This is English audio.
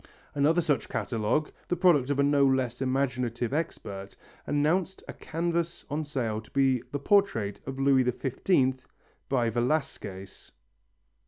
Another such catalogue, the product of a no less imaginative expert, announced a canvas on sale to be the portrait of Louis XV by Velasquez!